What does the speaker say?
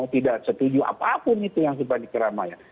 tidak setuju apapun itu yang dibanding keramaian